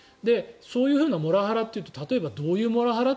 そういうふうなモラハラというと例えば、どういうモラハラ？